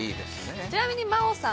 ちなみに茉央さん